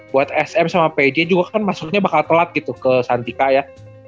buat sm sama pj juga kan masuknya bakal telat gitu ke santika ya